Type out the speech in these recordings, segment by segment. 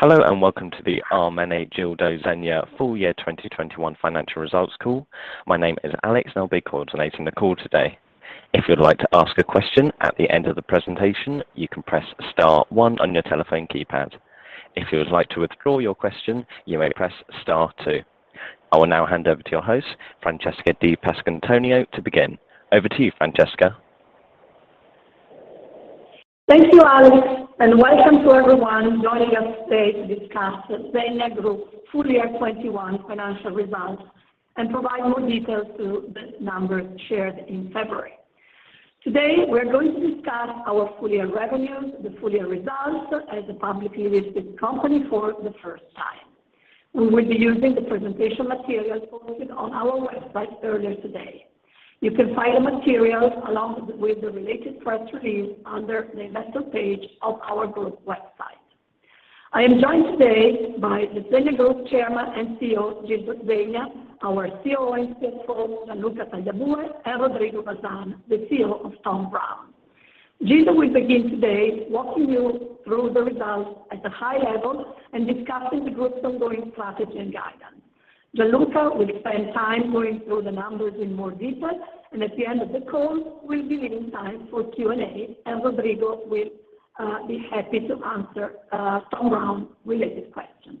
Hello and welcome to the Ermenegildo Zegna Full Year 2021 Financial Results Call. My name is Alex and I'll be coordinating the call today. If you'd like to ask a question at the end of the presentation, you can press star one on your telephone keypad. If you would like to withdraw your question, you may press star two. I will now hand over to your host, Francesca Di Pasquantonio, to begin. Over to you, Francesca. Thank you, Alex, and welcome to everyone joining us today to discuss the Zegna Group Full Year 2021 Financial Results and provide more details to the numbers shared in February. Today, we're going to discuss our full year revenues, the full year results as a publicly listed company for the first time. We will be using the presentation materials posted on our website earlier today. You can find the materials along with the related press release under the investor page of our group website. I am joined today by the Zegna Group Chairman and CEO, Gildo Zegna, our COO and CFO, Gianluca Tagliabue, and Rodrigo Bazán, the CEO of Thom Browne. Gildo will begin today walking you through the results at a high level and discussing the group's ongoing strategy and guidance. Gianluca will spend time going through the numbers in more detail and at the end of the call, we'll be leaving time for Q&A, and Rodrigo will be happy to answer Thom Browne related questions.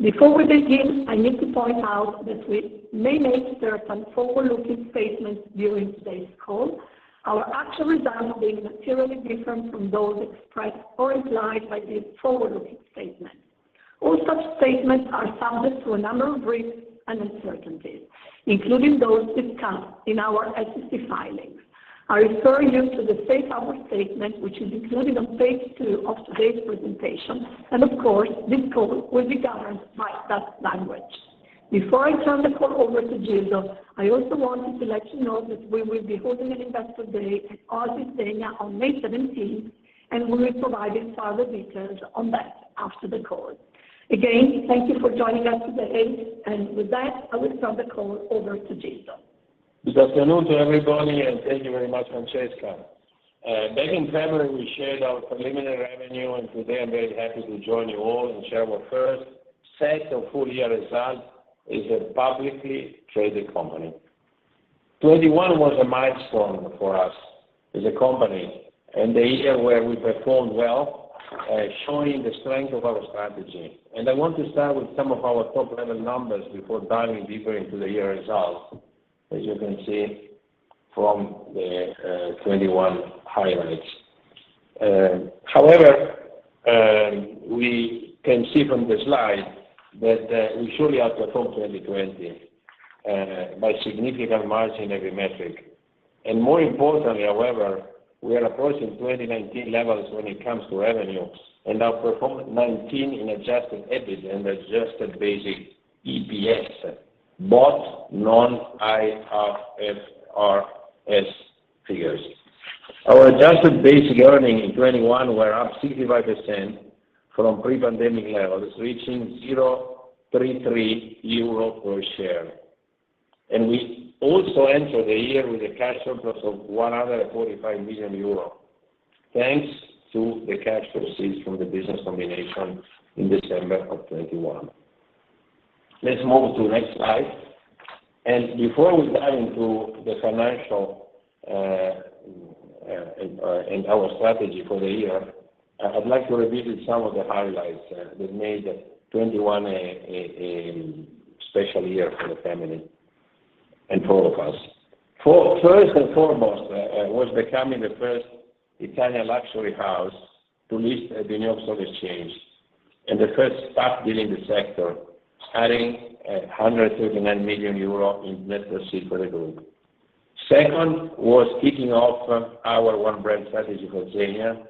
Before we begin, I need to point out that we may make certain forward-looking statements during today's call, our actual results may be materially different from those expressed or implied by these forward-looking statements. All such statements are subject to a number of risks and uncertainties, including those discussed in our SEC filings. I refer you to the safe harbor statement, which is included on page two of today's presentation, and of course, this call will be governed by that language. Before I turn the call over to Gildo, I also wanted to let you know that we will be holding an Investor Day at Arsenale on May 17th, and we will be providing further details on that after the call. Again, thank you for joining us today, and with that, I will turn the call over to Gildo. Good afternoon to everybody, and thank you very much, Francesca. Back in February, we shared our preliminary revenue, and today I'm very happy to join you all and share our first set of full year results as a publicly traded company. 2021 was a milestone for us as a company and a year where we performed well, showing the strength of our strategy. I want to start with some of our top-level numbers before diving deeper into the year results, as you can see from the 2021 highlights. However, we can see from the slide that we surely outperformed 2020 by significant margin every metric. More importantly, however, we are approaching 2019 levels when it comes to revenue and outperforming 2019 in adjusted EBIT and adjusted basic EPS, both non-IFRS figures. Our adjusted basic earnings in 2021 were up 65% from pre-pandemic levels, reaching 0.33 euro per share. We also entered the year with a cash surplus of 145 million euro, thanks to the cash proceeds from the business combination in December 2021. Let's move to the next slide. Before we dive into the financial and our strategy for the year, I'd like to review some of the highlights that made 2021 a special year for the family and for all of us. First and foremost was becoming the first Italian luxury house to list on the New York Stock Exchange and the first SPAC deal in the sector, adding 139 million euro in net proceeds for the group. Second was kicking off our One Brand strategy for Zegna,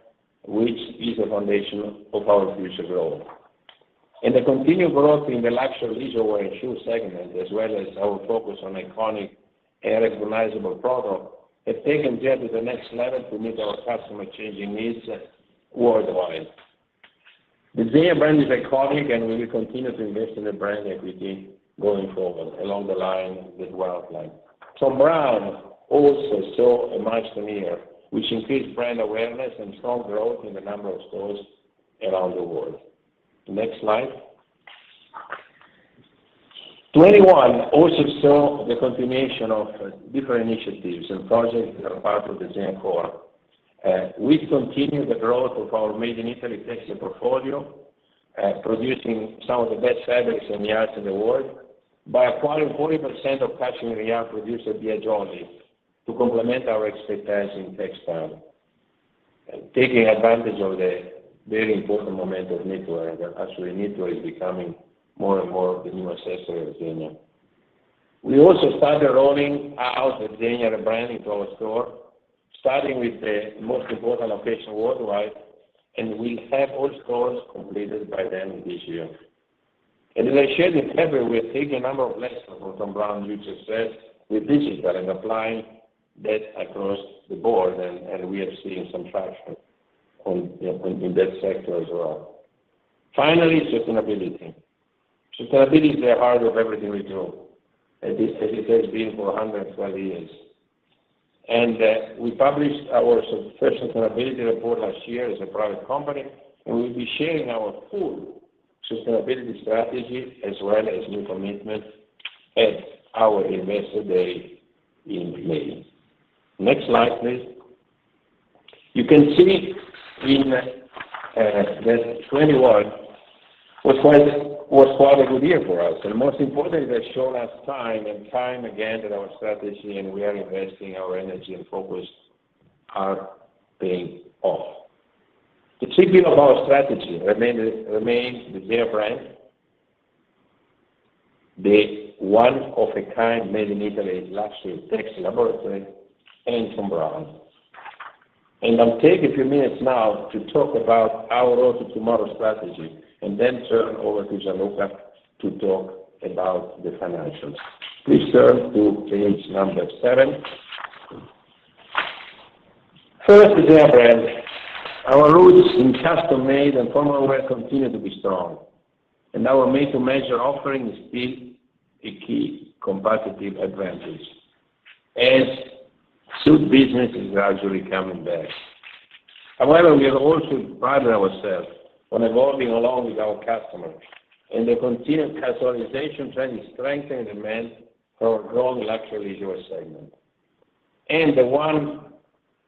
which is the foundation of our future growth. The continued growth in the luxury leisure wear and shoe segment, as well as our focus on iconic and recognizable product, have taken Zegna to the next level to meet our customer changing needs worldwide. The Zegna brand is iconic and we will continue to invest in the brand equity going forward along the lines with what we've crafted. Thom Browne also saw a milestone year, which increased brand awareness and strong growth in the number of stores around the world. Next slide. 2021 also saw the continuation of different initiatives and projects that are part of the Zegna core. We continued the growth of our Made in Italy textile portfolio, producing some of the best fabrics and yarns in the world by acquiring 40% of cashmere yarn producer Biagioli to complement our expertise in textile. Taking advantage of the very important momentum of knitwear, as actually knitwear is becoming more and more the new accessory of Zegna. We also started rolling out the Zegna rebranding to our store, starting with the most important location worldwide, and we have all stores completed by the end of this year. As I shared in February, we are taking a number of lessons from Thom Browne's huge success with digital and applying that across the board, and we are seeing some traction in that sector as well. Finally, sustainability. Sustainability is the heart of everything we do, as it has been for 112 years. We published our first sustainability report last year as a private company, and we'll be sharing our full sustainability strategy as well as new commitment at our Investor Day in May. Next slide, please. You can see in this 2021 was quite a good year for us. Most importantly, they've shown us time and time again that our strategy and we are investing our energy and focus are paying off. The shaping of our strategy remains the Zegna brand, the one of a kind Made in Italy luxury textile laboratory and Thom Browne. I'll take a few minutes now to talk about our road to tomorrow strategy, and then turn over to Gianluca to talk about the financials. Please turn to page number seven. First, Zegna brand. Our roots in custom-made and formal wear continue to be strong, and our made-to-measure offering is still a key competitive advantage as suit business is gradually coming back. However, we are also priding ourselves on evolving along with our customers and the continued casualization trend is strengthening demand for our growing luxury leisure segment. The One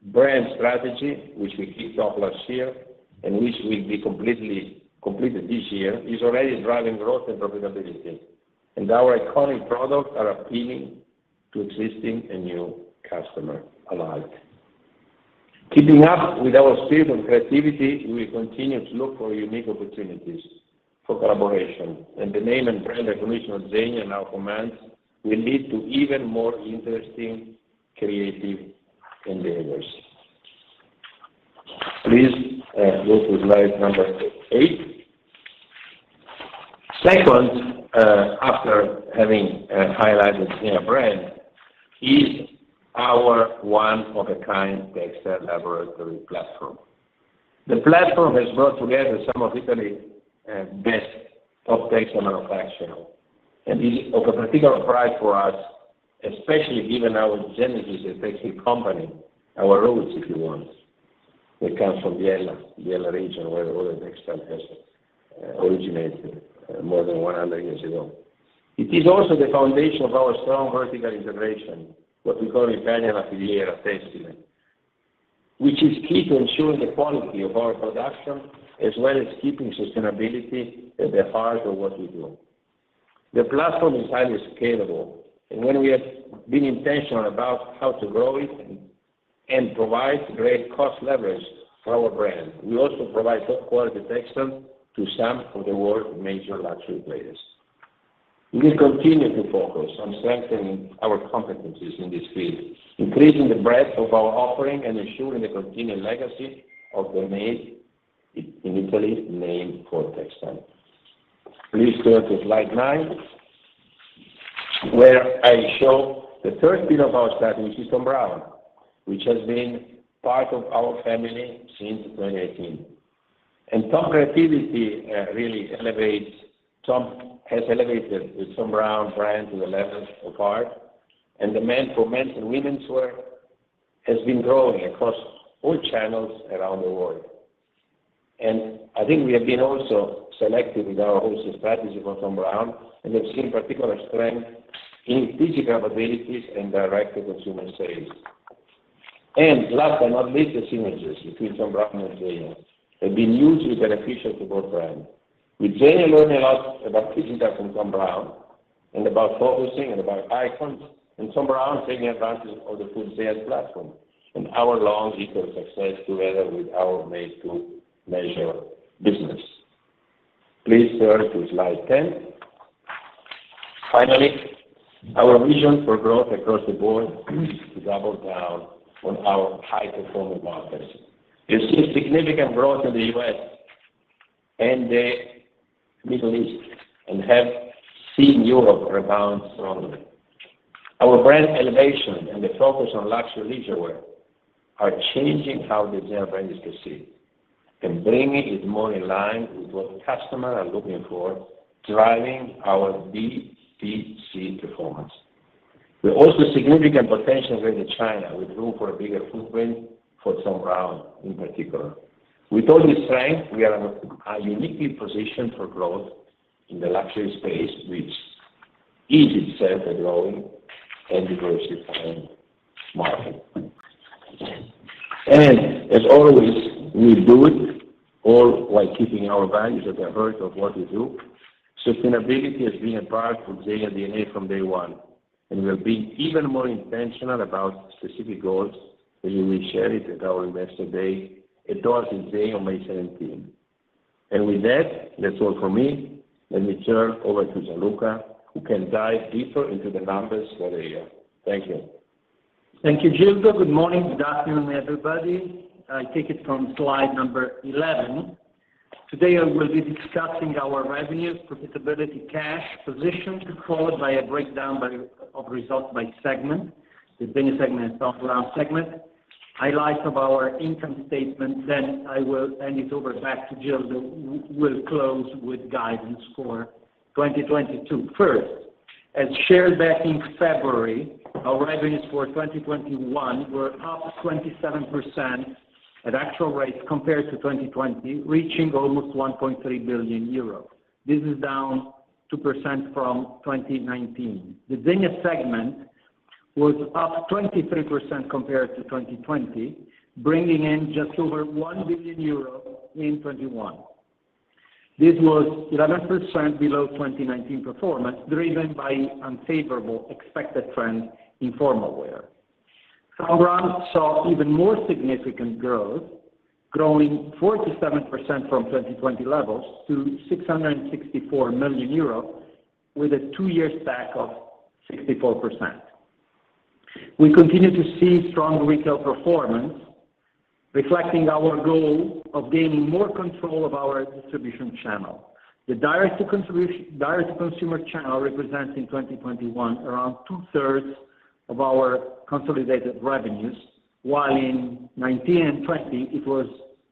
Brand strategy which we kicked off last year and which will be completely completed this year is already driving growth and profitability. Our iconic products are appealing to existing and new customer alike. Keeping up with our spirit and creativity, we continue to look for unique opportunities for collaboration. The name and brand recognition of Zegna in our campaigns will lead to even more interesting creative endeavors. Please, go to slide number eight. Second, after having highlighted Zegna brand is our one of a kind textile laboratory platform. The platform has brought together some of Italy's best top textile manufacturer, and is of a particular pride for us, especially given our genesis as a textile company. Our roots, if you want. They come from Biella region where the wool and textile has originated more than 100 years ago. It is also the foundation of our strong vertical integration, what we call in Italian, filiera tessile, which is key to ensuring the quality of our production as well as keeping sustainability at the heart of what we do. The platform is highly scalable, and when we have been intentional about how to grow it and provide great cost leverage for our brand, we also provide top quality textile to some of the world's major luxury players. We will continue to focus on strengthening our competencies in this field, increasing the breadth of our offering, and ensuring the continued legacy of the made in Italy made for textiles. Please turn to slide nine, where I show the third pillar of our strategy, Thom Browne, which has been part of our family since 2018. Thom's creativity really elevates. Thom has elevated the Thom Browne brand to a level apart, and demand for men's and women's wear has been growing across all channels around the world. I think we have been also selective with our wholesale strategy for Thom Browne, and we've seen particular strength in digital and wholesale and direct to consumer sales. Last but not least, the synergies between Thom Browne and Zegna have been hugely beneficial to both brands, with Zegna learning a lot about digital from Thom Browne and about focusing and about icons, and Thom Browne taking advantage of the full sales platform and our long retail success together with our made-to-measure business. Please turn to slide 10. Finally, our vision for growth across the board is to double down on our high-performing markets. You see significant growth in the U.S. and the Middle East, and have seen Europe rebound strongly. Our brand elevation and the focus on luxury leisurewear are changing how the Zegna brand is perceived and bringing it more in line with what customers are looking for, driving our B2C performance. There are also significant potential within China, with room for a bigger footprint for Thom Browne in particular. With all this strength, we are uniquely positioned for growth in the luxury space, which is itself a growing and diversifying market. As always, we do it all while keeping our values at the heart of what we do. Sustainability has been a part of Zegna DNA from day one, and we are being even more intentional about specific goals that we will share it at our Investor Day tomorrow in Zegna on May 17th. With that's all for me. Let me turn over to Gianluca, who can dive deeper into the numbers for the year. Thank you. Thank you, Gildo. Good morning. Good afternoon, everybody. I'll take it from slide number 11. Today I will be discussing our revenues, profitability, cash position, followed by a breakdown of results by segment, the Zegna segment and Thom Browne segment. Highlights of our income statement, then I will hand it over back to Gildo, who will close with guidance for 2022. First, as shared back in February, our revenues for 2021 were up 27% at actual rates compared to 2020, reaching almost 1.3 billion euros. This is down 2% from 2019. The Zegna segment was up 23% compared to 2020, bringing in just over 1 billion euros in 2021. This was 11% below 2019 performance, driven by unfavorable expected trends in formal wear. Thom Browne saw even more significant growth, growing 47% from 2020 levels to 664 million euro, with a two-year stack of 64%. We continue to see strong retail performance reflecting our goal of gaining more control of our distribution channel. The direct to consumer channel represents in 2021 around two-thirds of our consolidated revenues, while in 2019 and 2020 it was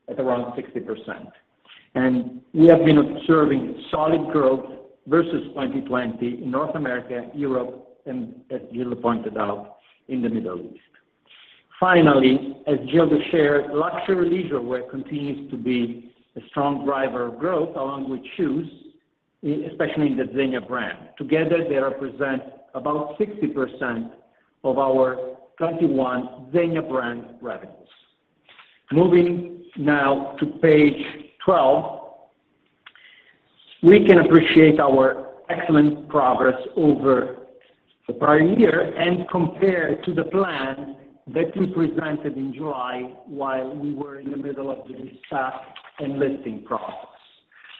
at around 60%. We have been observing solid growth versus 2020 in North America, Europe and, as Gildo pointed out, in the Middle East. Finally, as Gildo shared, luxury leisure wear continues to be a strong driver of growth along with shoes, especially in the Zegna brand. Together, they represent about 60% of our 2021 Zegna brand revenues. Moving now to page 12, we can appreciate our excellent progress over the prior year and compare to the plan that we presented in July while we were in the middle of the de-SPAC and listing process.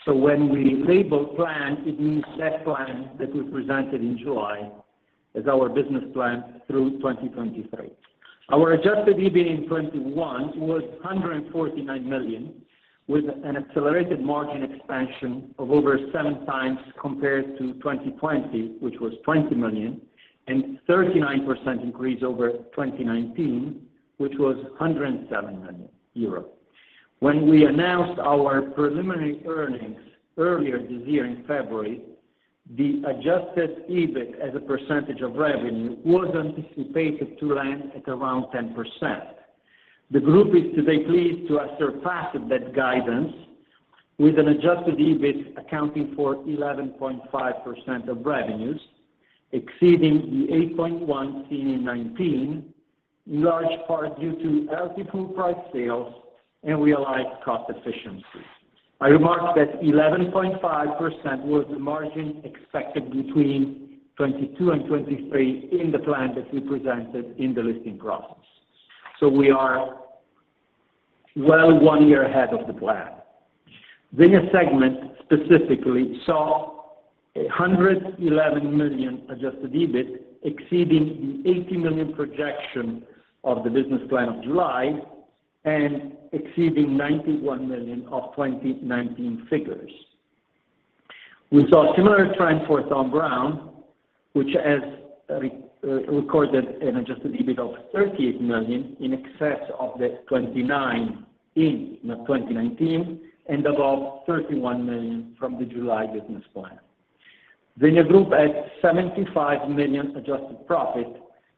When we label plan, it means that plan that we presented in July as our business plan through 2023. Our adjusted EBIT in 2021 was 149 million, with an accelerated margin expansion of over 7x compared to 2020, which was 20 million, and 39% increase over 2019, which was 107 million euro. When we announced our preliminary earnings earlier this year in February, the adjusted EBIT as a percentage of revenue was anticipated to land at around 10%. The group is today pleased to have surpassed that guidance with an adjusted EBIT accounting for 11.5% of revenues, exceeding the 8.1% seen in 2019, in large part due to healthy full price sales and realized cost efficiencies. I remarked that 11.5% was the margin expected between 2022 and 2023 in the plan that we presented in the listing process. We are well one year ahead of the plan. Zegna segment specifically saw 111 million adjusted EBIT exceeding the 80 million projection of the business plan of July and exceeding 91 million of 2019 figures. We saw similar trend for Thom Browne, which has recorded an adjusted EBIT of 38 million in excess of the 29 in the 2019 and above 31 million from the July business plan. Zegna Group had 75 million adjusted profit,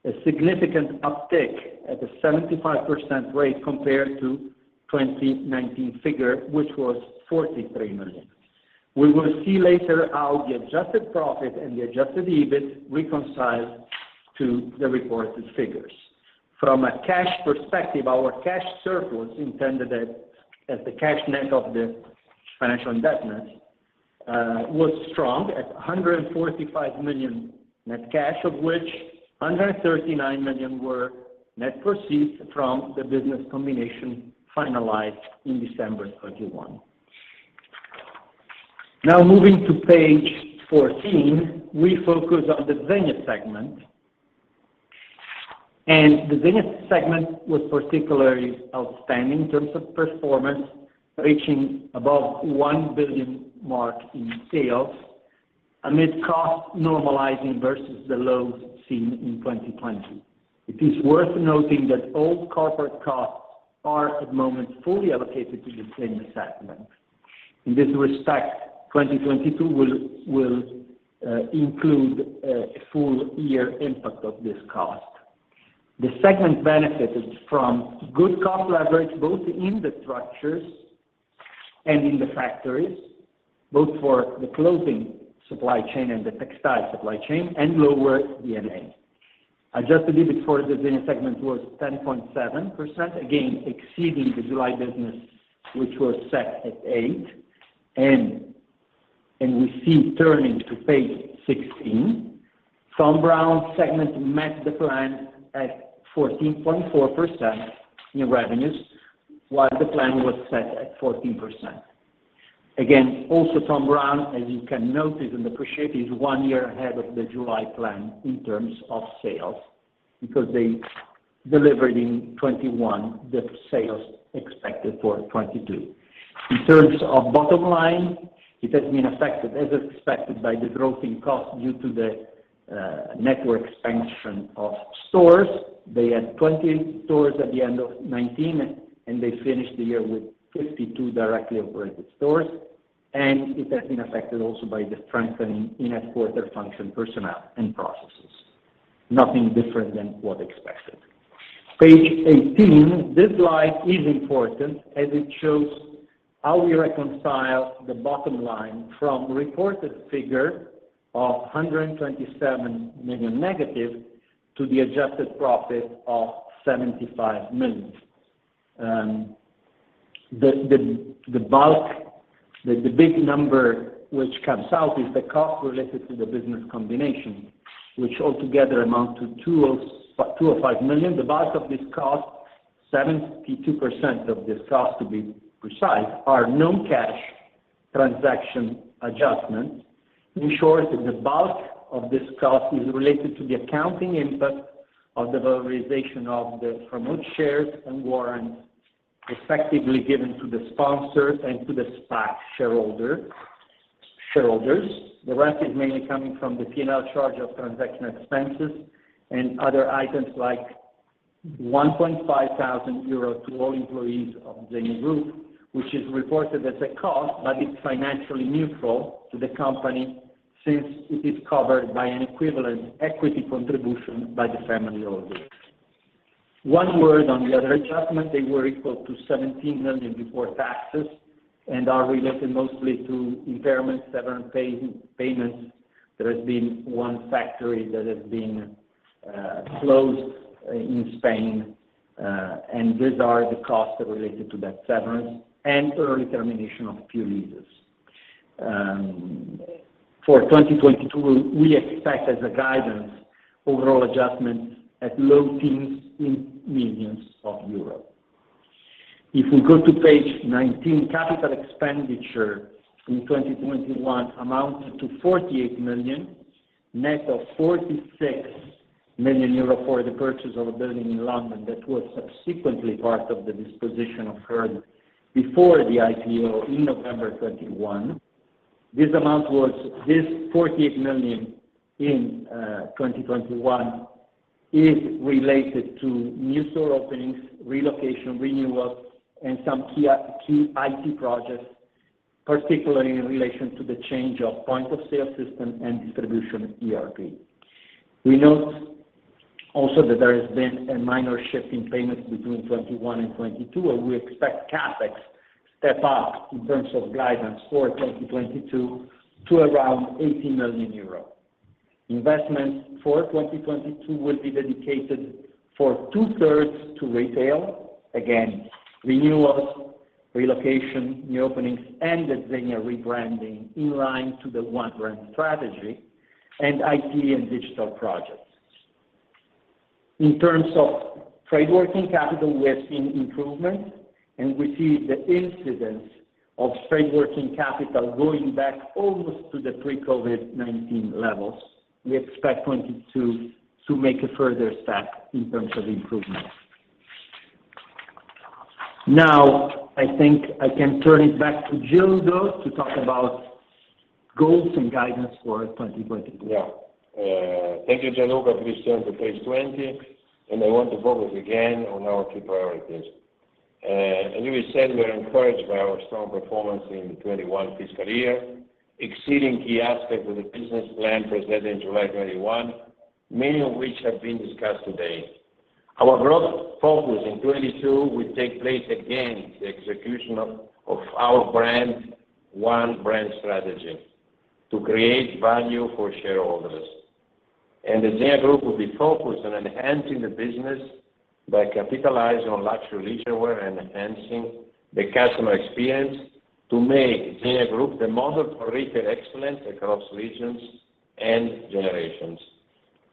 a significant uptick at a 75% rate compared to 2019 figure, which was 43 million. We will see later how the adjusted profit and the adjusted EBIT reconcile to the reported figures. From a cash perspective, our cash surplus intended as the cash net of the financial indebtedness was strong at 145 million net cash, of which 139 million were net proceeds from the business combination finalized in December 2021. Now moving to page 14, we focus on the Zegna egment. The Zegna segment was particularly outstanding in terms of performance, reaching above one billion mark in sales amid costs normalizing versus the lows seen in 2020. It is worth noting that all corporate costs are at the moment fully allocated to the Zegna segment. In this respect, 2022 will include a full year impact of this cost. The segment benefited from good cost leverage, both in the structures and in the factories, both for the clothing supply chain and the textile supply chain, and lower D&A. Adjusted EBIT for the Zegna segment was 10.7%, again exceeding the July business which was set at 8%. We see, turning to page 16, Thom Browne segment met the plan at 14.4% in revenues, while the plan was set at 14%. Again, also Thom Browne, as you can notice and appreciate, is one year ahead of the July plan in terms of sales because they delivered in 2021 the sales expected for 2022. In terms of bottom line. It has been affected, as expected, by the growth in costs due to the network expansion of stores. They had 20 stores at the end of 2019, and they finished the year with 52 directly operated stores. It has been affected also by the strengthening in-headquarter function personnel and processes. Nothing different than what expected. Page 18. This slide is important as it shows how we reconcile the bottom line from reported figure of -127 million to the adjusted profit of 75 million. The bulk, the big number which comes out is the cost related to the business combination, which altogether amount to 205 million. The bulk of this cost, 72% of this cost to be precise, are non-cash transaction adjustments. In short, the bulk of this cost is related to the accounting impact of the valorization of the promoted shares and warrants effectively given to the sponsors and to the SPAC shareholders. The rest is mainly coming from the P&L charge of transaction expenses and other items like 1,500 euros to all employees of the Zegna Group, which is reported as a cost, but it's financially neutral to the company since it is covered by an equivalent equity contribution by the family holders. One word on the other adjustments, they were equal to 17 million before taxes and are related mostly to impairment, severance payments. There has been one factory that has been closed in Spain, and these are the costs related to that severance and early termination of few leases. For 2022, we expect as guidance overall adjustments at low teens in millions of EUR. If we go to page 19, capital expenditure in 2021 amounted to 48 million, net of 46 million euro for the purchase of a building in London that was subsequently part of the disposition of HER before the IPO in November 2021. This 48 million in 2021 is related to new store openings, relocation, renewals, and some key IT projects, particularly in relation to the change of point of sale system and distribution ERP. We note also that there has been a minor shift in payments between 2021 and 2022, and we expect CapEx to step up in terms of guidance for 2022 to around 80 million euros. Investments for 2022 will be dedicated for two-thirds to retail. Again, renewals, relocation, new openings, and the Zegna rebranding in line with the One Brand strategy and IT and digital projects. In terms of trade working capital, we have seen improvement, and we see the incidence of trade working capital going back almost to the pre-COVID-19 levels. We expect 2022 to make a further step in terms of improvement. Now, I think I can turn it back to Gildo to talk about goals and guidance for 2022. Yeah. Thank you, Gianluca. Please turn to page 20, and I want to focus again on our key priorities. As Gildo said, we are encouraged by our strong performance in 2021 fiscal year, exceeding key aspects of the business plan presented in July 2021, many of which have been discussed today. Our growth focus in 2022 will take place against the execution of our brand, One Brand strategy to create value for shareholders. The Zegna Group will be focused on enhancing the business by capitalizing on luxury leisure wear and enhancing the customer experience to make Zegna Group the model for retail excellence across regions and generations.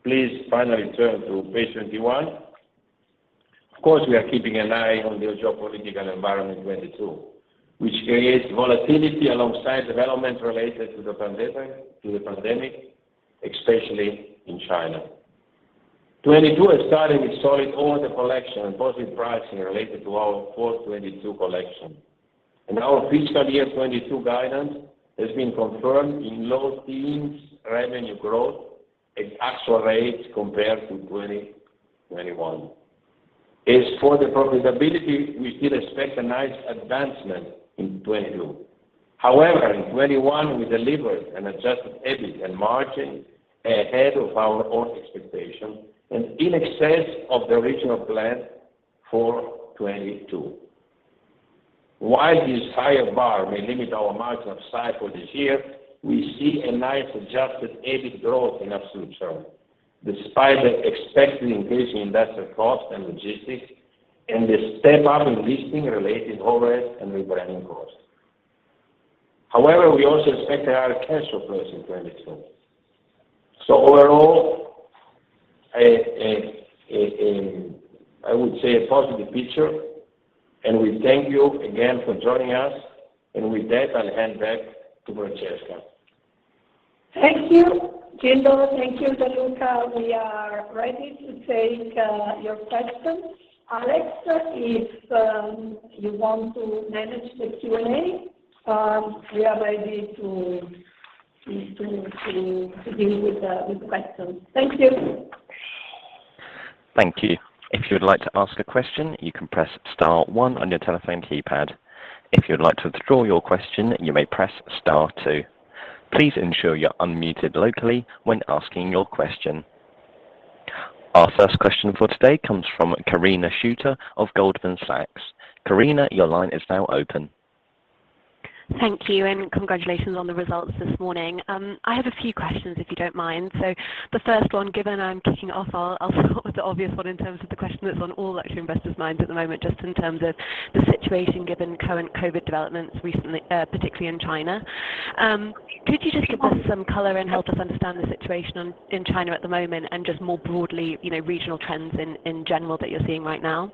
Please finally turn to page 21. Of course, we are keeping an eye on the geopolitical environment in 2022, which creates volatility alongside developments related to the pandemic, especially in China. 2022 has started with solid order collection and positive pricing related to our Fall 2022 collection. Our fiscal year 2022 guidance has been confirmed in low teens% revenue growth at actual rates compared to 2021. As for the profitability, we still expect a nice advancement in 2022. However, in 2021 we delivered an adjusted EBIT and margin ahead of our own expectations and in excess of the original plan for 2022. While this higher bar may limit our margin upside for this year, we see a nice adjusted EBIT growth in absolute terms, despite the expected increase in investment costs and logistics and the step-up in leasing-related overheads and rebranding costs. However, we also expect a higher cash flow in 2022. Overall, I would say a positive picture, and we thank you again for joining us. With that, I'll hand back to Francesca. Thank you, Gildo Zegna. Thank you, Gianluca Tagliabue. We are ready to take your questions. Alex, if you want to manage the Q&A, we are ready to deal with the questions. Thank you. Thank you. If you would like to ask a question, you can press star one on your telephone keypad. If you would like to withdraw your question, you may press star two. Please ensure you're unmuted locally when asking your question. Our first question for today comes from Louise Singlehurst of Goldman Sachs. Louise, your line is now open. Thank you, and congratulations on the results this morning. I have a few questions, if you don't mind. The first one, given I'm kicking off, I'll start with the obvious one in terms of the question that's on all luxury investors' minds at the moment, just in terms of the situation given current COVID-19 developments recently, particularly in China. Could you just give us some color and help us understand the situation in China at the moment and just more broadly, you know, regional trends in general that you're seeing right now?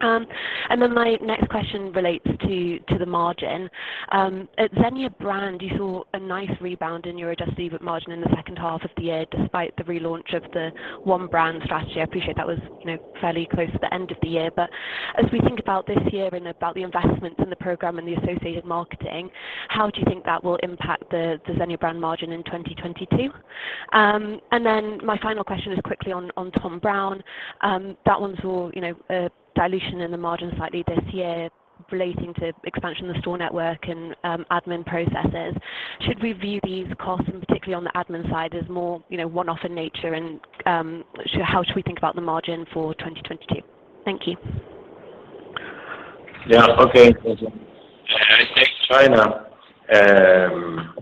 My next question relates to the margin. At Zegna brand, you saw a nice rebound in your adjusted EBIT margin in the second half of the year, despite the relaunch of the One Brand strategy. I appreciate that was, you know, fairly close to the end of the year. As we think about this year and about the investments in the program and the associated marketing, how do you think that will impact the Zegna brand margin in 2022? Then my final question is quickly on Thom Browne. That one saw, you know, dilution in the margin slightly this year relating to expansion of the store network and admin processes. Should we view these costs and particularly on the admin side as more, you know, one-off in nature and how should we think about the margin for 2022? Thank you. Yeah. Okay. I take China, as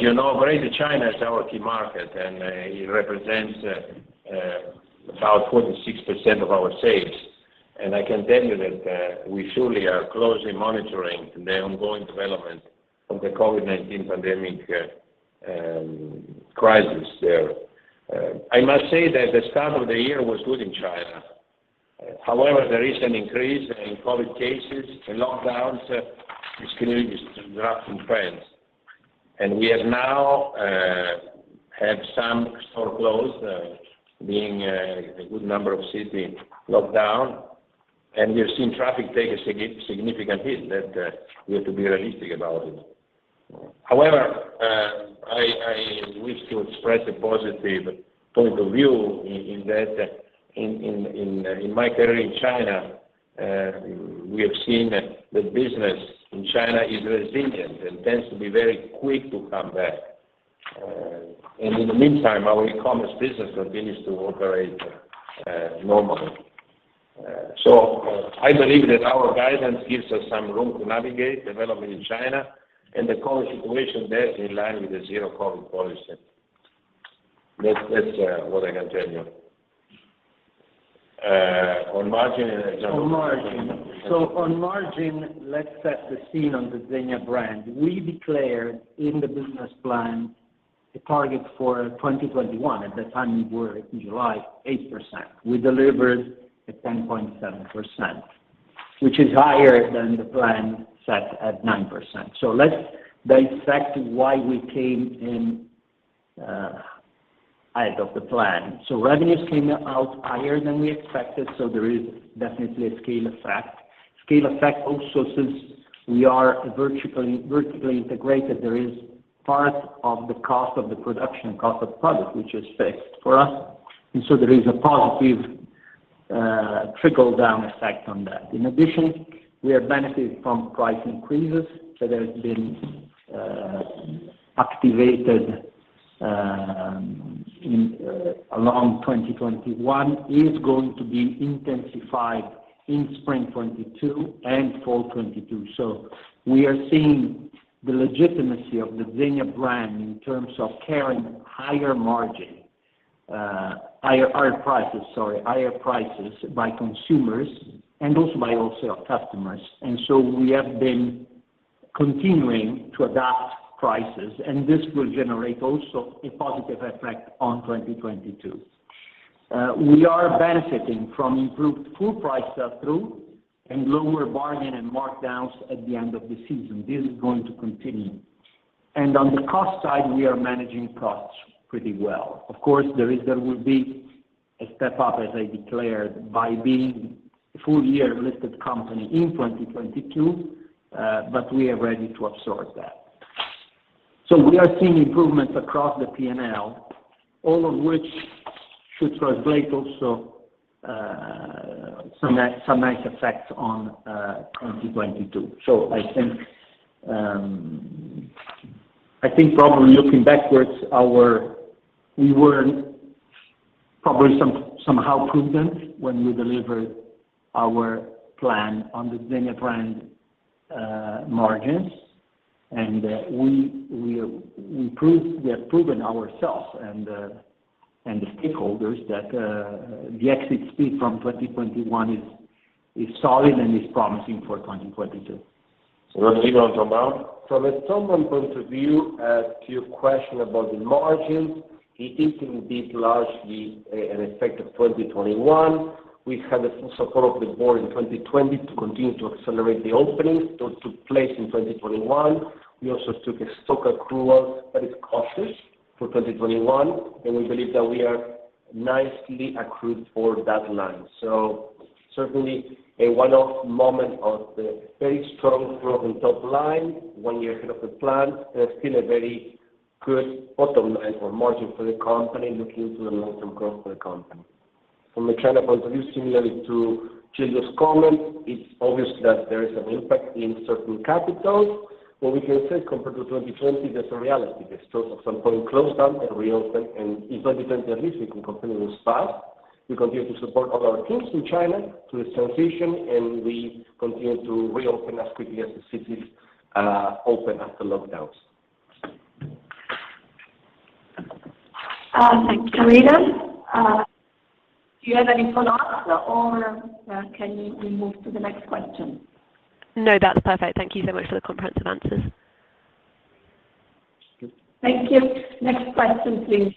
you know, Greater China is our key market, and it represents about 46% of our sales. I can tell you that we surely are closely monitoring the ongoing development of the COVID-19 pandemic crisis there. I must say that the start of the year was good in China. However, the recent increase in COVID cases and lockdowns is continuing to disrupt some trends. We have now some stores closed, being a good number of cities in lockdown, and we have seen traffic take a significant hit that we have to be realistic about it. However, I wish to express a positive point of view in that in my career in China, we have seen the business in China is resilient and tends to be very quick to come back. In the meantime, our e-commerce business continues to operate normally. I believe that our guidance gives us some room to navigate development in China and the current situation there is in line with the zero-COVID policy. That's what I can tell you. On margin and then- On margin. On margin, let's set the scene on the Zegna brand. We declared in the business plan a target for 2021. At that time, we were in July, 8%. We delivered at 10.7%, which is higher than the plan set at 9%. Let's dissect why we came in ahead of the plan. Revenues came out higher than we expected, so there is definitely a scale effect. Scale effect also since we are vertically integrated, there is part of the cost of the production, cost of product, which is fixed for us, and so there is a positive trickle-down effect on that. In addition, we have benefited from price increases that has been activated along 2021, is going to be intensified in spring 2022 and fall 2022. We are seeing the legitimacy of the Zegna brand in terms of carrying higher margin, higher prices, sorry, higher prices by consumers and also by wholesale customers. We have been continuing to adjust prices, and this will generate also a positive effect on 2022. We are benefiting from improved full price sell-through and lower bargains and markdowns at the end of the season. This is going to continue. On the cost side, we are managing costs pretty well. Of course, there will be a step up, as I declared, by being a full year listed company in 2022, but we are ready to absorb that. We are seeing improvements across the P&L, all of which should translate also some nice effects on 2022. I think probably looking backwards, our We were probably somehow prudent when we delivered our plan on the Zegna brand, margins. We have proven ourselves and the stakeholders that the exit speed from 2021 is solid and is promising for 2022. Let's move on Thom Browne. From a Thom Browne point of view. To your question about the margins, it is indeed largely an effect of 2021. We had the full support of the board in 2020 to continue to accelerate the openings that took place in 2021. We also took a stock accrual that is cautious for 2021, and we believe that we are nicely accrued for that line. Certainly a one-off moment of the very strong growth in top line, one year ahead of the plan. There's still a very good bottom line for margin for the company looking to the long term growth for the company. From a China point of view, similarly to Gildo's comments, it's obvious that there is an impact in certain capitals, but we can say compared to 2020, that's a reality. The stores at some point closed down and reopened, and in 2020 at least we can continue with SPAC. We continue to support all our teams in China through association, and we continue to reopen as quickly as the cities open after lockdowns. Thanks, Karina. Do you have any follow up or we move to the next question? No, that's perfect. Thank you so much for the comprehensive answers. Thank you. Next question, please.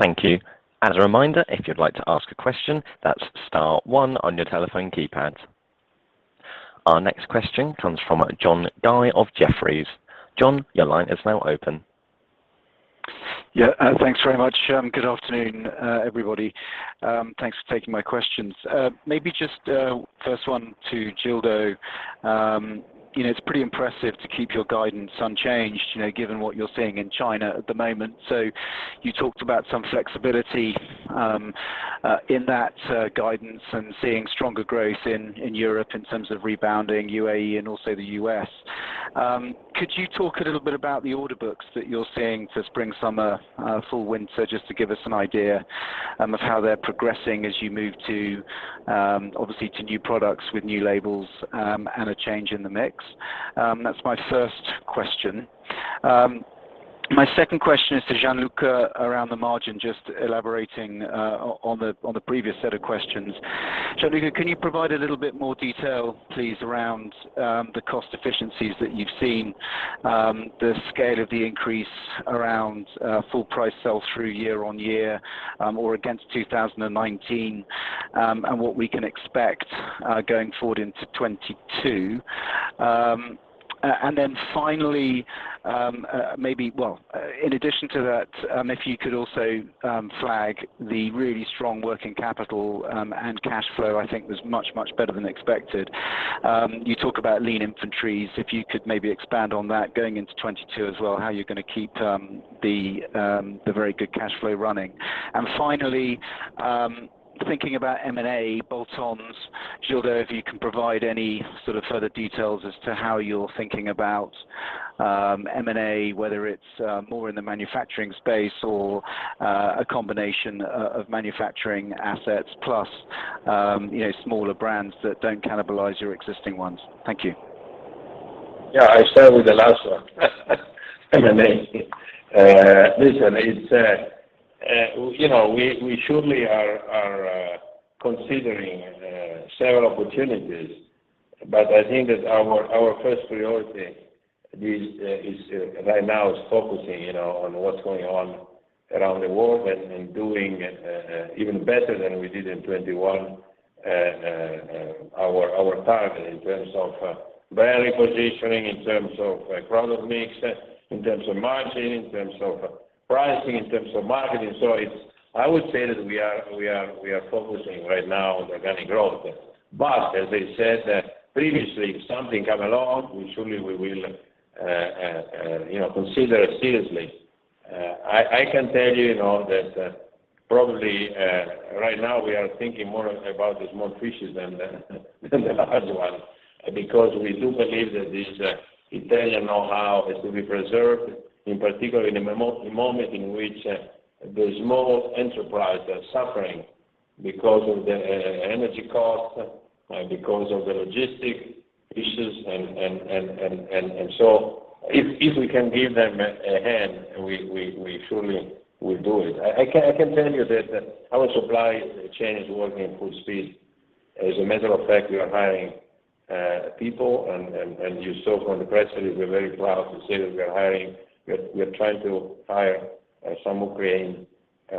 Thank you. As a reminder, if you'd like to ask a question, that's star one on your telephone keypad. Our next question comes from John Dye of Jefferies. John, your line is now open. Yeah, thanks very much. Good afternoon, everybody. Thanks for taking my questions. Maybe just first one to Gildo. You know, it's pretty impressive to keep your guidance unchanged, you know, given what you're seeing in China at the moment. You talked about some flexibility in that guidance and seeing stronger growth in Europe in terms of rebounding UAE and also the U.S. Could you talk a little bit about the order books that you're seeing for spring, summer, fall, winter, just to give us an idea of how they're progressing as you move to obviously to new products with new labels and a change in the mix? That's my first question. My second question is to Gianluca around the margin, just elaborating on the previous set of questions. Gianluca, can you provide a little bit more detail, please, around the cost efficiencies that you've seen, the scale of the increase around full price sell-through year-on-year, or against 2019, and what we can expect going forward into 2022? And then finally, maybe. Well, in addition to that, if you could also flag the really strong working capital and cash flow, I think was much, much better than expected. You talk about lean inventories. If you could maybe expand on that going into 2022 as well, how you're gonna keep the very good cash flow running. Finally, thinking about M&A bolt-ons, Gildo, if you can provide any sort of further details as to how you're thinking about M&A, whether it's more in the manufacturing space or a combination of manufacturing assets plus, you know, smaller brands that don't cannibalize your existing ones. Thank you. Yeah, I start with the last one. M&A. Listen, it's, you know, we surely are considering several opportunities, but I think that our first priority is right now focusing, you know, on what's going on around the world and doing even better than we did in 2021, our target in terms of brand repositioning, in terms of product mix, in terms of margin, in terms of pricing, in terms of marketing. It's. I would say that we are focusing right now on organic growth. As I said previously, if something come along, we surely will, you know, consider it seriously. I can tell you know, that probably right now we are thinking more about the small fishes than the large ones because we do believe that this Italian know-how is to be preserved, in particular in a moment in which the small enterprises are suffering because of the energy cost, because of the logistics issues and so if we can give them a hand, we surely will do it. I can tell you that our supply chain is working at full speed. As a matter of fact, we are hiring people and you saw from the press release, we're very proud to say that we are hiring. We're trying to hire some Ukrainian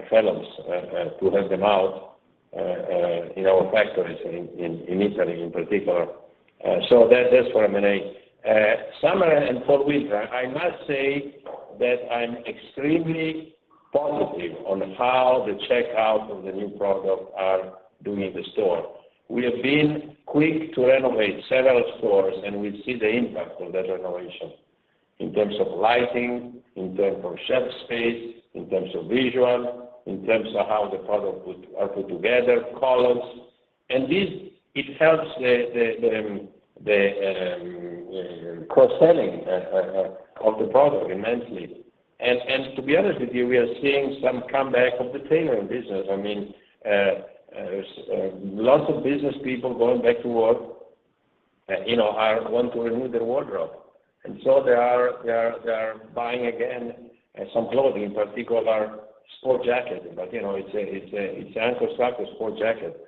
fellows to help them out in our factories in Italy in particular. So that's for M&A. Summer and for winter, I must say that I'm extremely positive on how the checkout of the new product are doing in the store. We have been quick to renovate several stores, and we see the impact of that renovation in terms of lighting, in terms of shelf space, in terms of visual, in terms of how the product are put together, colors. And this, it helps the cross-selling of the product immensely. To be honest with you, we are seeing some comeback of the tailoring business. I mean, lots of business people going back to work, you know, or want to renew their wardrobe. They are buying again some clothing, in particular sport jacket. You know, it's an unstructured sport jacket.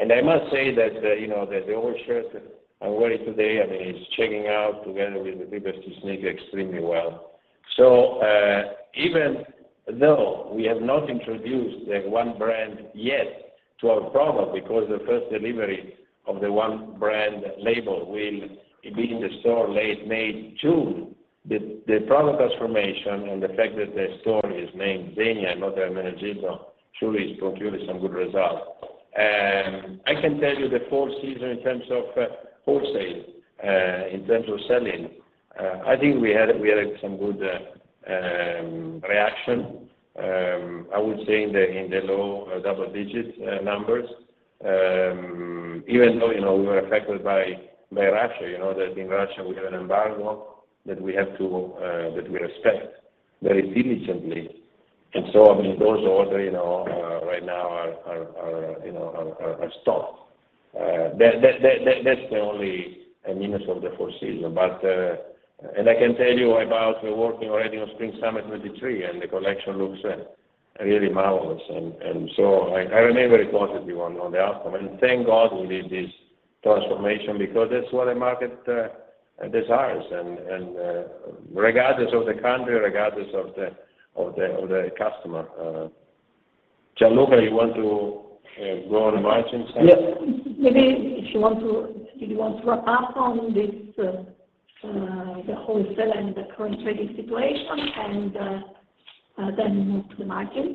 I must say that you know, the Oxford shirt that I'm wearing today, I mean, it's checking out together with the deepest blue sneaker extremely well. Even though we have not introduced the One Brand yet to our promo because the first delivery of the One Brand label will be in the store late May, June, the product transformation and the fact that the store is named Zegna, not Ermenegildo, truly has brought really some good results. I can tell you the fall season in terms of wholesale, in terms of selling. I think we had some good reaction. I would say in the low double digits numbers. Even though, you know, we were affected by Russia, you know, that in Russia we have an embargo that we have to respect very diligently. I mean, those orders, you know, right now are stopped. That's the only minus of the fall season. I can tell you about we're working already on spring/summer 2023, and the collection looks really marvelous. I remain very positive on the outcome. Thank God we did this transformation because that's what the market desires and, regardless of the country, regardless of the customer. Gianluca, you want to go on margins and- Yes. Maybe if you want to add on this, the wholesale and the current trading situation and then move to margin.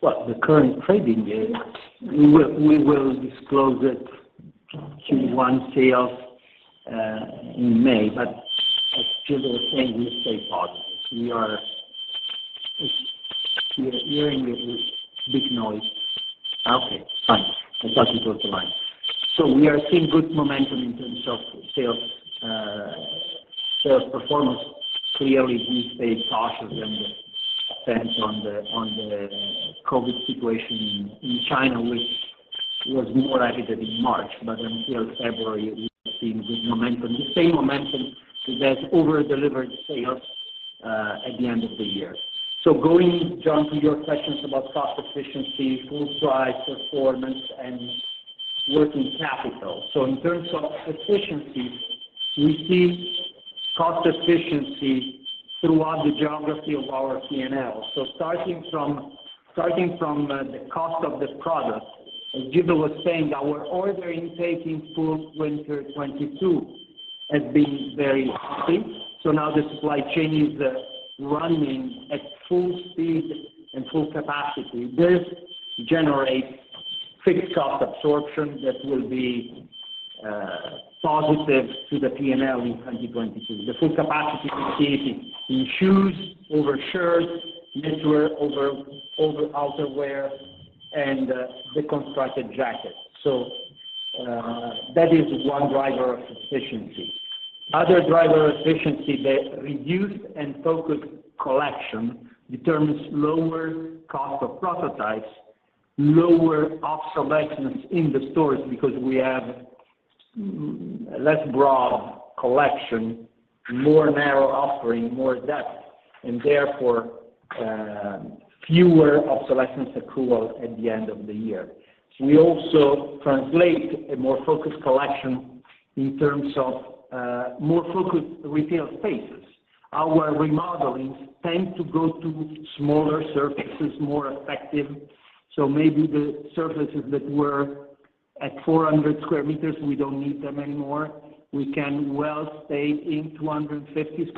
Well, the current trading year. We will disclose Q1 sales in May. As Gildo was saying, we stay positive. We are hearing a big noise. Okay, fine. I thought you froze the line. We are seeing good momentum in terms of sales performance. Clearly, we stayed cautious and spent on the COVID situation in China, which was more active in March. Until February, we have seen good momentum, the same momentum that over-delivered sales at the end of the year. Going, John, to your questions about cost efficiency, full price performance, and working capital. In terms of efficiency, we see cost efficiency throughout the geography of our P&L. Starting from the cost of the product, as Gildo was saying, our order intake full winter 2022 has been very high. Now the supply chain is running at full speed and full capacity. This generates fixed cost absorption that will be positive to the P&L in 2022. The full capacity we see it in shoes, over shirts, knitwear, over outerwear, and the constructed jacket. That is one driver of efficiency. Other driver of efficiency, the reduced and focused collection determines lower cost of prototypes, lower obsolescence in the stores because we have less broad collection, more narrow offering, more depth, and therefore fewer obsolescence accrual at the end of the year. We also translate a more focused collection in terms of more focused retail spaces. Our remodelings tend to go to smaller surfaces, more effective, so maybe the surfaces that were at 400 sq m, we don't need them anymore. We can well stay in 250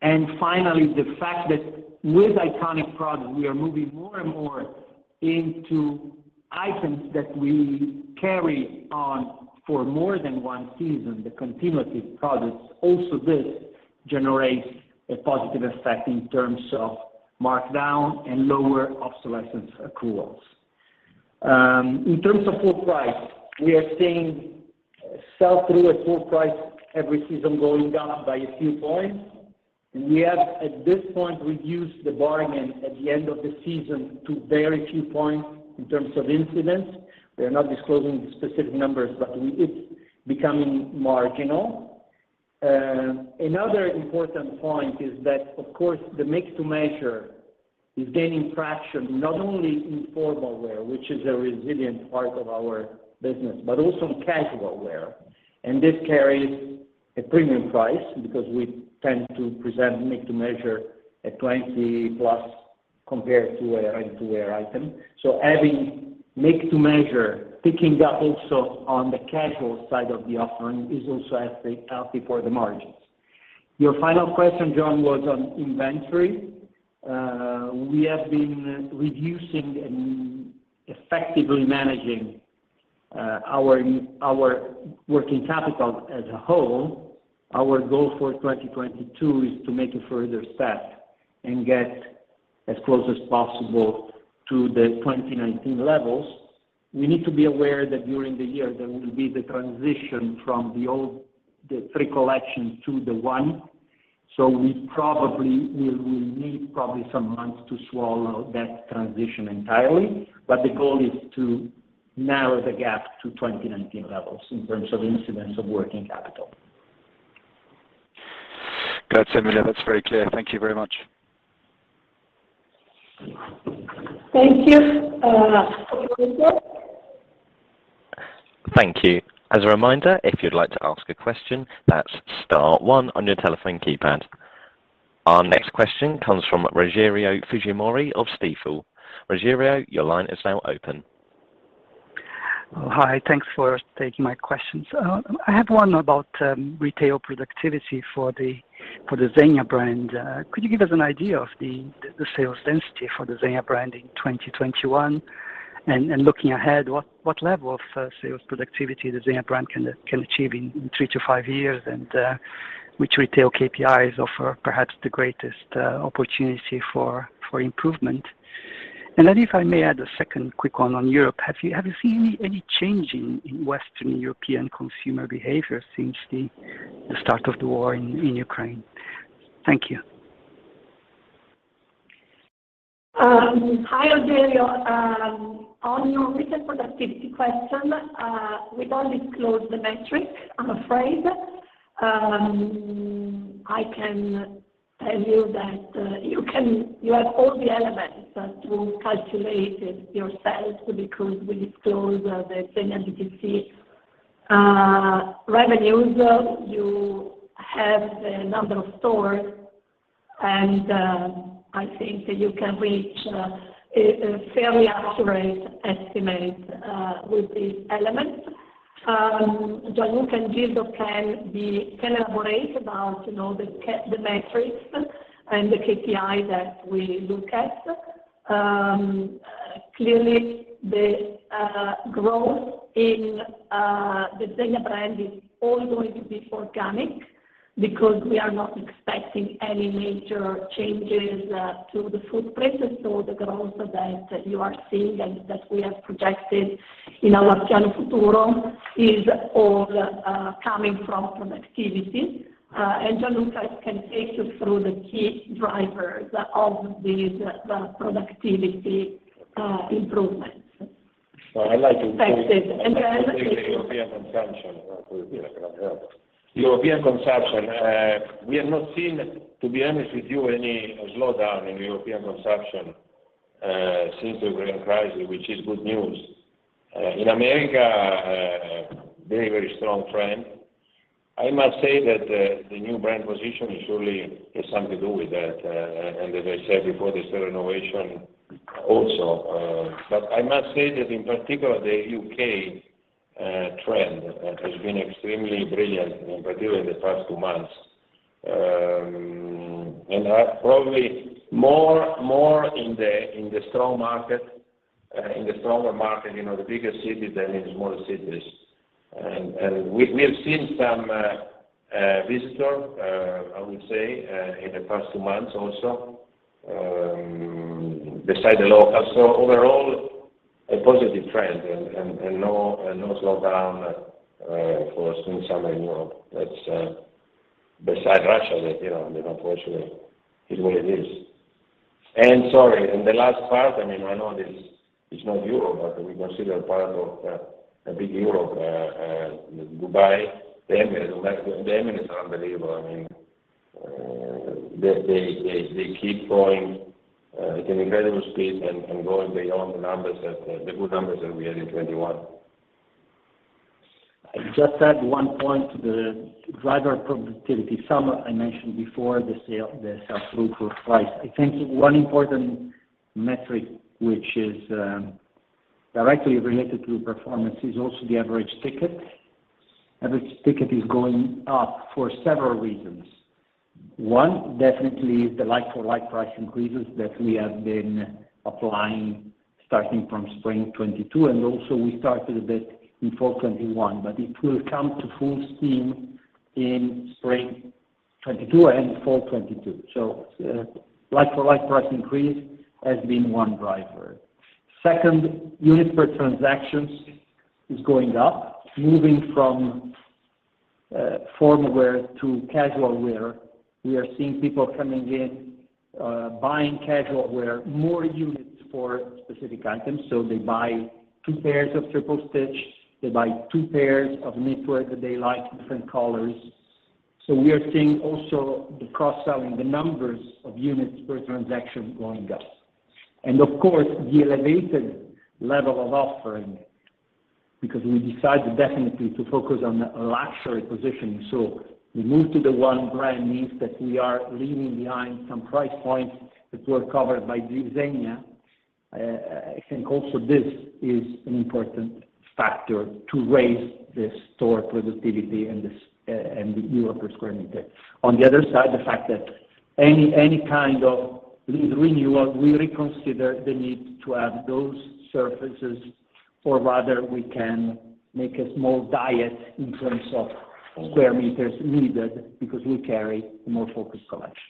sq m. Finally, the fact that with iconic products, we are moving more and more into items that we carry on for more than one season, the continuity products. This generates a positive effect in terms of markdown and lower obsolescence accruals. In terms of full price, we are seeing sell-through at full price every season going down by a few points. We have, at this point, reduced the bargaining at the end of the season to very few points in terms of incidence. We are not disclosing the specific numbers, but it's becoming marginal. Another important point is that, of course, the make to measure is gaining traction, not only in formal wear, which is a resilient part of our business, but also in casual wear. This carries a premium price because we tend to present make to measure at 20+ compared to a ready-to-wear item. Having make to measure picking up also on the casual side of the offering is also as healthy for the margins. Your final question, John, was on inventory. We have been reducing and effectively managing our working capital as a whole. Our goal for 2022 is to make a further step and get as close as possible to the 2019 levels. We need to be aware that during the year, there will be the transition from the old three collections to the one. We probably will need probably some months to swallow that transition entirely. The goal is to narrow the gap to 2019 levels in terms of incidence of working capital. Glad to hear, that's very clear. Thank you very much. Thank you. Operator? Thank you. As a reminder, if you'd like to ask a question, that's star one on your telephone keypad. Our next question comes from Rogerio Fujimori of Stifel. Rogerio, your line is now open. Hi. Thanks for taking my questions. I have one about retail productivity for the Zegna brand. Could you give us an idea of the sales density for the Zegna brand in 2021? Looking ahead, what level of sales productivity the Zegna brand can achieve in three to five years, and which retail KPIs offer perhaps the greatest opportunity for improvement? If I may add a second quick one on Europe. Have you seen any change in Western European consumer behavior since the start of the war in Ukraine? Thank you. Hi, Rogerio. On your retail productivity question, we don't disclose the metric, I'm afraid. I can tell you that you have all the elements to calculate it yourself because we disclose the Zegna DTC revenues. You have the number of stores, and I think that you can reach a fairly accurate estimate with these elements. Gianluca and Gildo can elaborate about, you know, the metrics and the KPI that we look at. Clearly the growth in the Zegna brand is all going to be organic because we are not expecting any major changes to the footprint size. The growth that you are seeing and that we have projected in our plano futuro is all coming from productivity. Gianluca can take you through the key drivers of these productivity improvements. I'd like to. Thanks. I'll let Gildo- European consumption. We have not seen, to be honest with you, any slowdown in European consumption since the COVID crisis, which is good news. In America, a very strong trend. I must say that the new brand position surely has something to do with that. As I said before, the store renovation also. I must say that in particular, the U.K. trend has been extremely brilliant, in particular in the past two months. Probably more in the stronger market, you know, the bigger cities than in smaller cities. We have seen some visitors, I would say, in the past two months also, besides the locals. Overall, a positive trend and no slowdown for spring/summer in Europe. That's besides Russia that, you know, unfortunately is what it is. Sorry, in the last part, I mean, I know this is not Europe, but we consider part of a big Europe, Dubai, the Emirates. The Emirates are unbelievable. I mean, they keep growing at an incredible speed and going beyond the good numbers that we had in 2021. I just add one point to the driver productivity. Something I mentioned before, the sales, the sell-through for price. I think one important metric which is directly related to performance is also the average ticket. Average ticket is going up for several reasons. One, definitely is the like-for-like price increases that we have been applying starting from spring 2022, and also we started a bit in fall 2021, but it will come to full steam in spring 2022 and fall 2022. Like-for-like price increase has been one driver. Second, units per transaction is going up, moving from formal wear to casual wear. We are seeing people coming in, buying casual wear, more units for specific items. They buy two pairs of Triple Stitch, they buy two pairs of knitwear that they like in different colors. We are seeing also the cross-selling, the numbers of units per transaction going up. Of course, the elevated level of offering because we decided definitely to focus on a luxury position. The move to the One Brand means that we are leaving behind some price points that were covered by Z Zegna. I think also this is an important factor to raise the store productivity and the euro per sq m. On the other side, the fact that any kind of renewal, we reconsider the need to have those surfaces, or rather we can make a small diet in terms of sq m needed because we carry a more focused collection.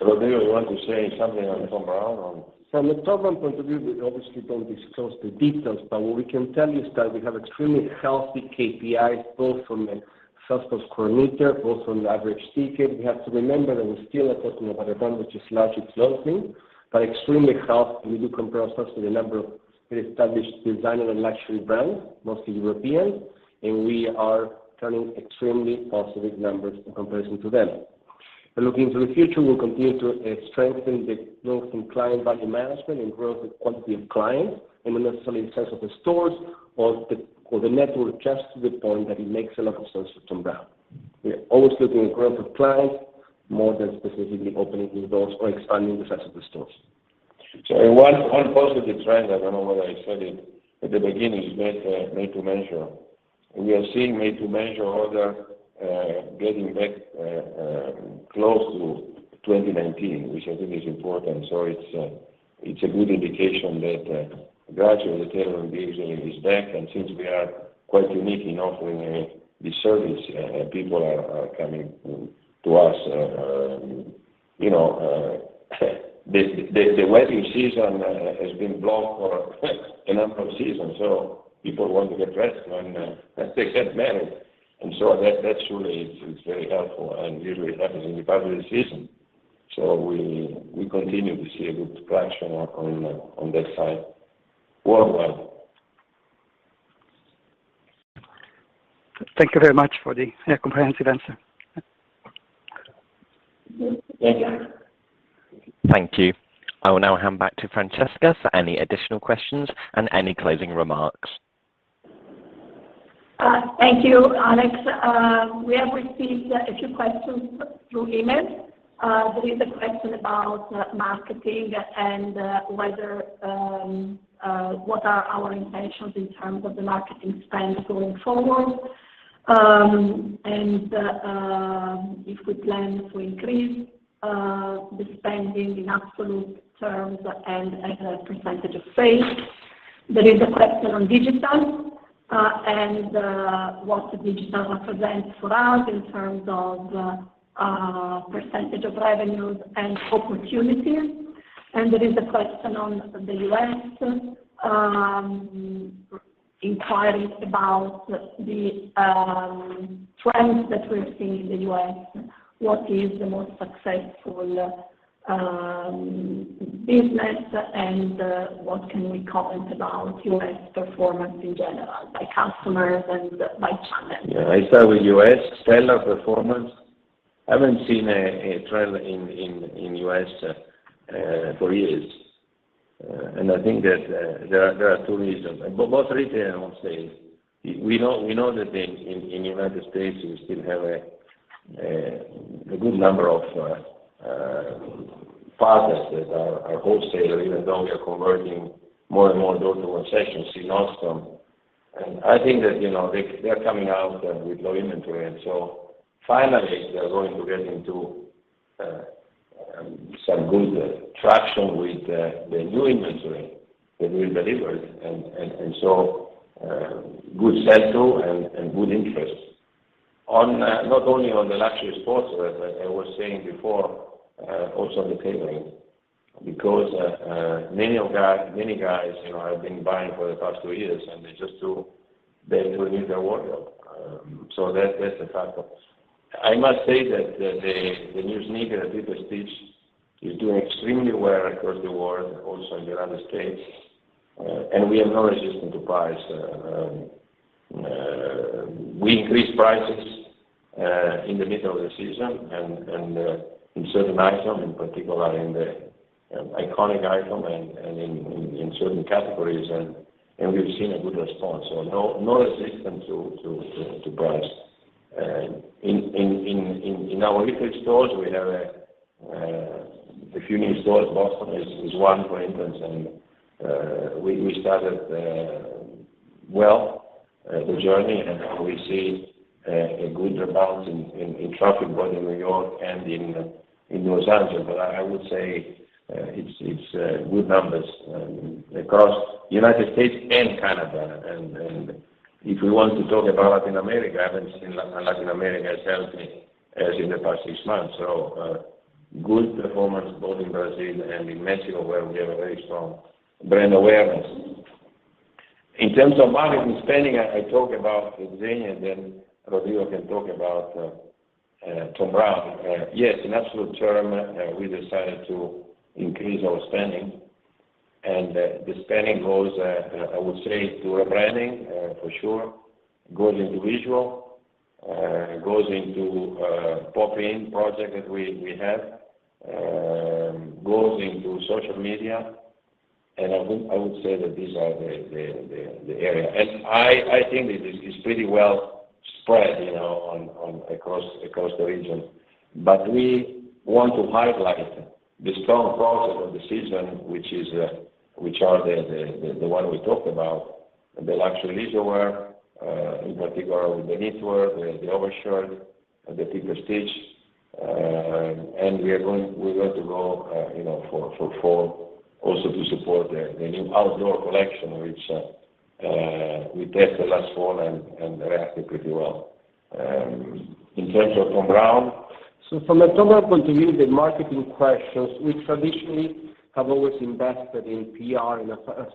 Rodrigo, you want to say something on Thom Browne. From a Thom Browne point of view, we obviously don't discuss the details, but what we can tell you is that we have extremely healthy KPIs both from a sales per square meter, both from the average ticket. We have to remember that we're still talking about a brand which is largely closing, but extremely healthy. We do compare ourselves to established designer and luxury brands, mostly European, and we are turning extremely positive numbers in comparison to them. Looking to the future, we'll continue to strengthen the growth in client value management and growth in quantity of clients, and not necessarily in size of the stores or the network, just to the point that it makes a lot of sense for Thom Browne. We are always looking to grow with clients more than specifically opening new doors or expanding the size of the stores. One positive trend, I don't know whether I said it at the beginning, is made to measure. We are seeing made to measure orders getting back close to 2019, which I think is important. It's a good indication that gradually tailoring is back. Since we are quite unique in offering the service, people are coming to us. You know, the wedding season has been blocked for a number of seasons, so people want to get dressed as they get married. That surely is very helpful, and usually it happens in the fabric season. We continue to see a good traction on that side worldwide. Thank you very much for the comprehensive answer. Thank you. Thank you. I will now hand back to Francesca for any additional questions and any closing remarks. Thank you, Alex. We have received a few questions through email. There is a question about marketing and whether what are our intentions in terms of the marketing spend going forward and if we plan to increase the spending in absolute terms and as a percentage of sales. There is a question on digital and what digital represents for us in terms of percentage of revenues and opportunities. There is a question on the U.S. inquiring about the trends that we're seeing in the U.S. What is the most successful business and what can we comment about U.S. performance in general, by customers and by channel? Yeah. I start with U.S. Stellar performance. I haven't seen a trend in U.S. for years. I think that there are two reasons, both retail and wholesale. We know that in United States, we still have a good number of partners that are wholesalers, even though we are converting more and more door to door sessions in Austin. I think that, you know, they're coming out with low inventory, and so finally, they're going to get into some good traction with the new inventory that we've delivered. Good sell-through and good interest. Not only on the luxury sportswear, but I was saying before, also on the tailoring, because many of guy. Many guys, you know, have been buying for the past two years, and they do need a wardrobe. That's a factor. I must say that the new sneaker, Triple Stitch, is doing extremely well across the world, also in the United States. We have no resistance to price. We increased prices in the middle of the season and in certain items, in particular in the iconic items and in certain categories, and we've seen a good response. No resistance to price. In our retail stores, we have a few new stores. Boston is one for instance, and we started well the journey and now we see a good bounce in traffic both in New York and in Los Angeles. I would say it's good numbers across United States and Canada. If we want to talk about Latin America, I haven't seen Latin America as healthy as in the past six months. Good performance both in Brazil and in Mexico, where we have a very strong brand awareness. In terms of marketing spending, I talk about Zegna, then Rodrigo can talk about Thom Browne. Yes, in absolute terms, we decided to increase our spending. The spending goes, I would say to rebranding, for sure, goes into visual, goes into pop-in project that we have, goes into social media, and I would say that these are the area. I think it is pretty well spread, you know, across the regions. We want to highlight the strong products of the season, which are the one we talked about, the luxury leisure wear, in particular the knitwear, the overshirt, the Triple Stitch. We're going to go, you know, for fall also to support the new outdoor collection, which we tested last fall and reacted pretty well. In terms of Thom Browne. From a Thom Browne point of view, the marketing questions, we traditionally have always invested in PR, in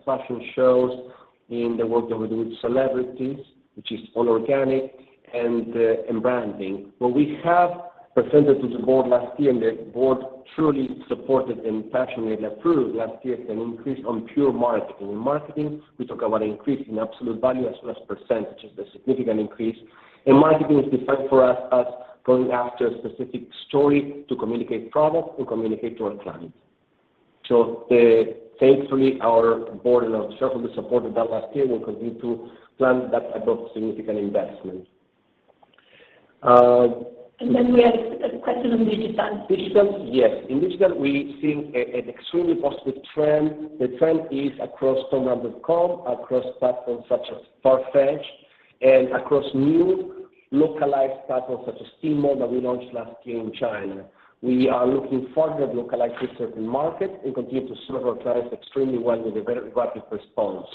fashion shows. In the work that we do with celebrities, which is all organic and branding. What we have presented to the board last year, and the board truly supported and passionately approved last year is an increase on pure marketing. In marketing, we talk about an increase in absolute value as well as percentage, is a significant increase. Marketing is defined for us as going after a specific story to communicate product and communicate to our clients. Thankfully, our board and our shareholders supported that last year. We continue to plan that type of significant investment. We have a question on digital. Digital, yes. In digital, we see an extremely positive trend. The trend is across thombrowne.com, across platforms such as Farfetch and across new localized platforms such as Tmall that we launched last year in China. We are looking to further localize to certain markets and continue to serve our clients extremely well with a very rapid response.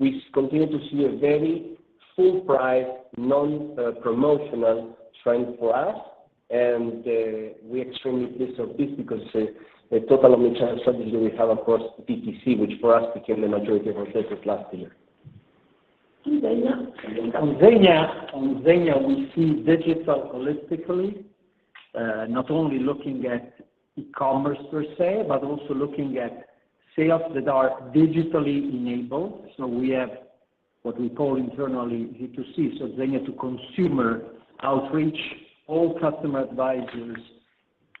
We continue to see a very full price, non-promotional trend for us, and we are extremely pleased with this because the total omni-channel strategy we have across DTC, which for us became the majority of our business last year. Zegna? On Zegna, we see digital holistically, not only looking at e-commerce per se, but also looking at sales that are digitally enabled. We have what we call internally D2C, so Zegna to consumer outreach. All customer advisors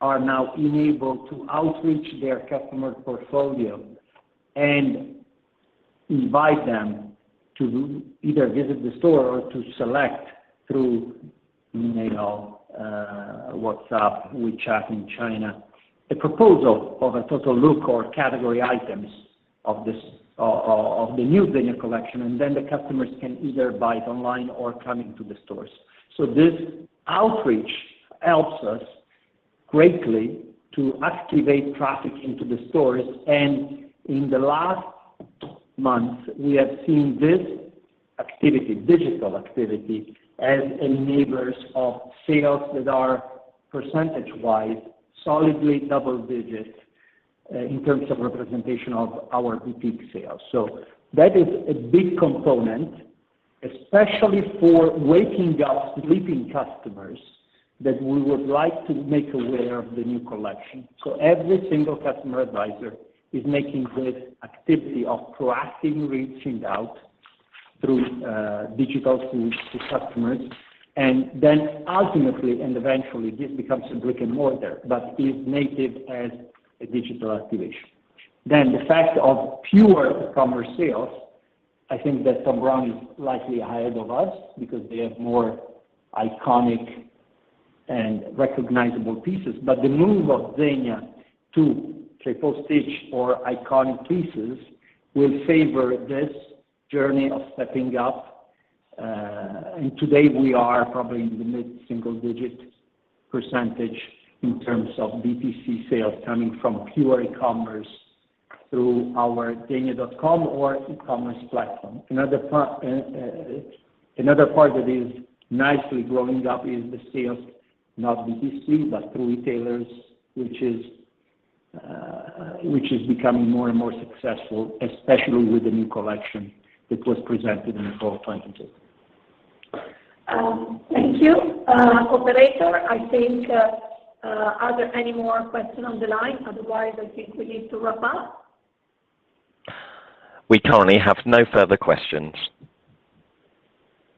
are now enabled to outreach their customer portfolio and invite them to either visit the store or to select through, you know, WhatsApp, WeChat in China, a proposal of a total look or category items of the new Zegna collection, and then the customers can either buy it online or come into the stores. This outreach helps us greatly to activate traffic into the stores. In the last months, we have seen this activity, digital activity as enablers of sales that are percentage-wise solidly double digits, in terms of representation of our peak sales. That is a big component, especially for waking up sleeping customers that we would like to make aware of the new collection. Every single customer advisor is making this activity of proactively reaching out through digital to customers, and then ultimately and eventually this becomes a brick-and-mortar, but is native as a digital activation. The fact of pure e-commerce sales, I think that some brand is likely ahead of us because they have more iconic and recognizable pieces, but the move of Zegna to Triple Stitch or iconic pieces will favor this journey of stepping up. And today we are probably in the mid-single digit percentage in terms of DTC sales coming from pure e-commerce through our zegna.com or e-commerce platform. Another part that is nicely growing up is the sales, not DTC, but through retailers, which is becoming more and more successful, especially with the new collection that was presented in Fall 2022. Thank you. Operator, I think, are there any more questions on the line? Otherwise, I think we need to wrap up. We currently have no further questions.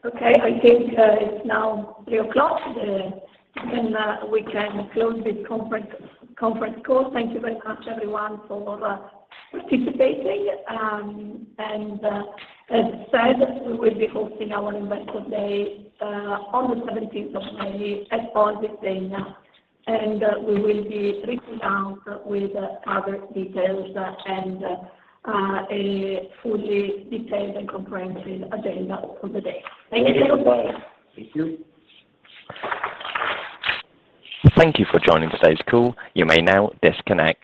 Okay. I think it's now 3:00 P.M. and we can close this conference call. Thank you very much, everyone, for participating. As said, we will be hosting our Investor Day on the 17th of May at Oasi Zegna, and we will be reaching out with other details and a fully detailed and comprehensive agenda for the day. Thank you. Thank you, bye. Thank you. Thank you for joining today's call. You may now disconnect.